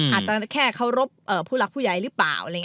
อาจจะแค่เคารพผู้หลักผู้ใหญ่หรือเปล่า